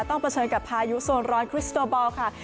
เผชิญกับพายุโซนร้อนคริสโตบอลค่ะ